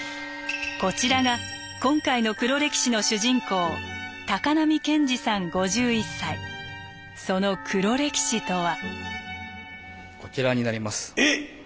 こちらが今回の黒歴史の主人公その黒歴史とは。